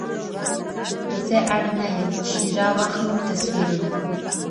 زه اړ نه یم چی را واخلم تصویرونه